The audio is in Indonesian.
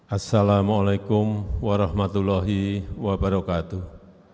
assalamu'alaikum warahmatullahi wabarakatuh